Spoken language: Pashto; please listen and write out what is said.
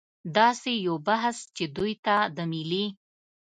داسې یو بحث چې دوی ته د ملي